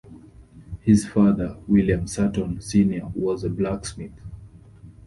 His father, William Sutton Senior was a blacksmith.